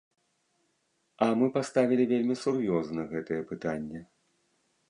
А мы паставілі вельмі сур'ёзна гэтае пытанне.